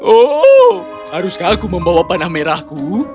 oh haruskah aku membawa panah merahku